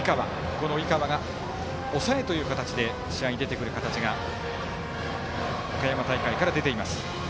この井川が抑えという形で試合に出てくる形が岡山大会から出ています。